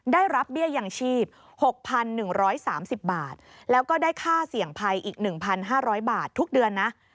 ได้รับเบี้ยยังชีพ๖๑๓๐บาทแล้วก็ได้ค่าเสี่ยงภัยอีก๑๕๐๐บาททุกเดือนนะ